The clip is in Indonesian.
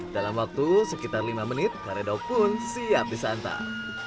dalam waktu sekitar lima menit karedo pun siap disantap